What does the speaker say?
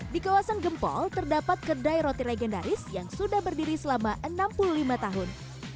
di kawasan gempol terdapat kedai roti legendaris yang sudah berdiri selama enam puluh lima tahun